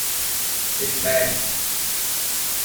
Tes frères.